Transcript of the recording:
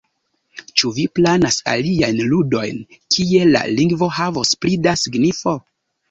Ĉu vi planas aliajn ludojn, kie la lingvo havos pli da signifo?